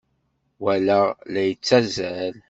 Walaɣ-t la yettazzal.